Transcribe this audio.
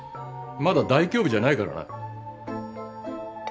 まだ大凶日じゃないからな。